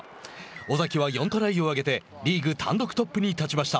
尾崎は４トライを挙げてリーグ単独トップに立ちました。